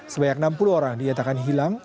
sebanyak enam puluh orang dinyatakan hilang